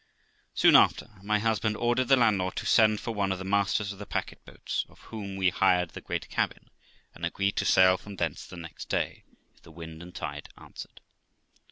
Soon after, my husband ordered the landlord to send for one of the masters of the packet boats, of whom he hired the great cabin, and agreed to sail from thence the next day, if the wind and the tide answered.